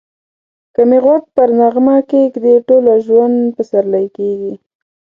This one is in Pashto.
که می غوږ پر نغمه کښېږدې ټوله ژوند پسرلی کېږی